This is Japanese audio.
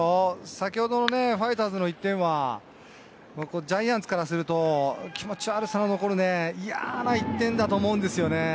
先ほどのファイターズの１点はジャイアンツからすると、気持ち悪さの残る嫌な１点だと思うんですよね。